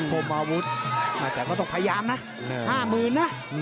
คมอาวุธแต่ก็ต้องพยายามนะห้าหมื่นน่ะ